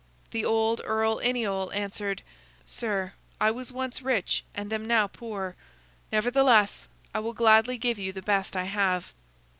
The old Earl Iniol answered: "Sir, I was once rich and am now poor; nevertheless, I will gladly give you the best I have."